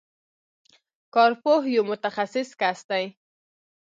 کارپوه یو متخصص کس دی.